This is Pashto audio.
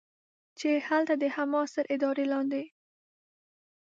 چې هلته د حماس تر ادارې لاندې